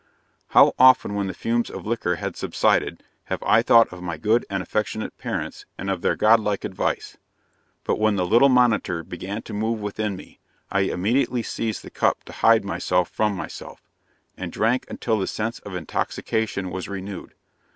How often when the fumes of liquor have subsided, have I thought of my good and affectionate parents, and of their Godlike advice! But when the little monitor began to move within me, I immediately seized the cup to hide myself from myself, and drank until the sense of intoxication was renewed.